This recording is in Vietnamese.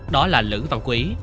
đó là lữ văn quý